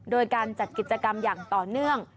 โดยการจัดกิจกรรมอย่างต่อเนื่อง